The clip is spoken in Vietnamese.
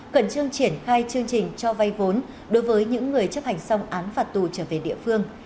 cẩn trương triển khai chương trình cho vay vốn đối với những người chấp hành xong án phạt tù trở về địa phương